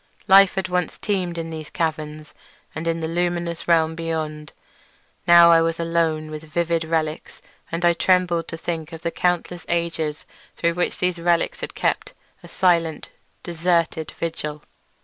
Life had once teemed in these caverns and in the luminous realm beyond; now I was alone with vivid relics, and I trembled to think of the countless ages through which these relics had kept a silent and deserted vigil.